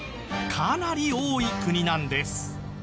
かなり多い国なんです。